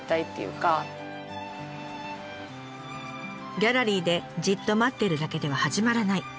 「ギャラリーでじっと待ってるだけでは始まらない」。